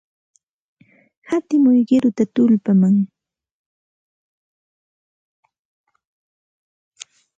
Hatimuy qiruta tullpaman.